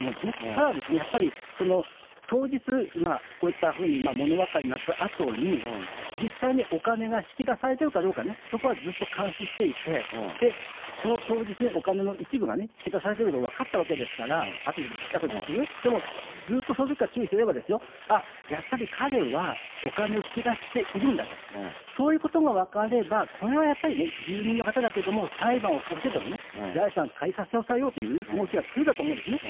ただですね、やっぱり当日、こうしたもの別れになったあとに、実際にお金が引き出されているかどうかね、そこはずっと監視していて、その当日にお金の一部が引き出されてるのが分かったわけですから、あとですけど、でもずっとそのときから注意していればですよ、あっ、やっぱり彼はお金を引き出しているんだと、そういうことが分かれば、これはやっぱりね、住民の方だけれども、裁判起こしてでもね、財産仮押さえさせようという動きは取れたと思うんですよね。